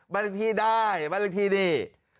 บรรลิกที่ได้บรรลิกที่ดี